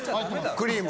クリーム。